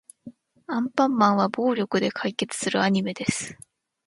アンパンマンは暴力で解決するアニメです。